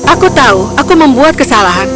aku tahu aku membuat kesalahan